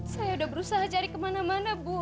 saya sudah berusaha cari kemana mana bu